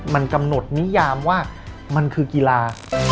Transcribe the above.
มันกำหนดนิยามว่ามันคือกีฬา